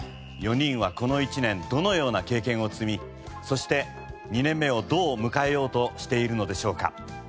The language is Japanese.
４人はこの１年どのような経験を積みそして２年目をどう迎えようとしているのでしょうか。